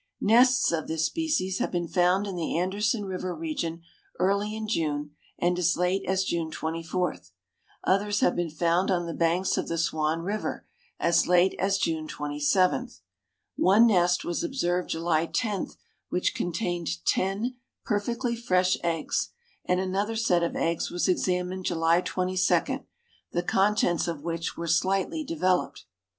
Nests of this species have been found in the Anderson River region early in June and as late as June 24. Others have been found on the banks of the Swan River as late as June 27. One nest was observed July 10 which contained ten perfectly fresh eggs, and another set of eggs was examined July 22, the contents of which were slightly developed.